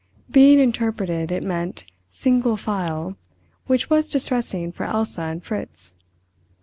Being interpreted, it meant "single file", which was distressing for Elsa and Fritz.